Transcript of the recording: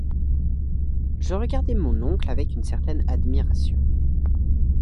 Je regardai mon oncle avec une certaine admiration.